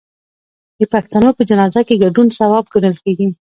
د پښتنو په جنازه کې ګډون ثواب ګڼل کیږي.